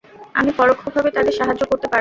আমি পরোক্ষভাবে তাদের সাহায্য করতে পারব।